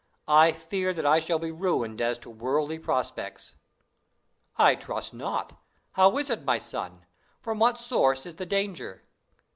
"I fear that I shall be ruined as to worldly prospects." "I trust not: how is it, my son? From what source is the danger?"